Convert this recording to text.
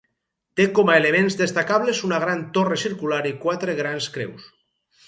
Té com a elements destacables una gran torre circular i quatre grans creus.